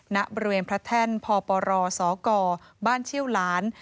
ณบริเวณพระแท่นพปรสกบ้านเชี่ยวหลาน